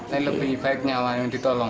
ini lebih baik nyawa yang ditolong